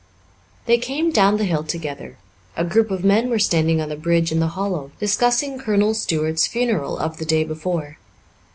They came down the hill together. A group of men were standing on the bridge in the hollow, discussing Colonel Stuart's funeral of the day before.